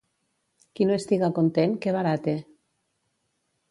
Qui no estiga content, que barate.